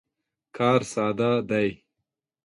کار ساده دی.